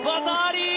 技あり！